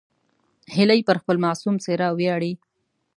هیلۍ پر خپل معصوم څېره ویاړي